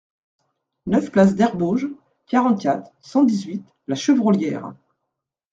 neuf place d'Herbauges, quarante-quatre, cent dix-huit, La Chevrolière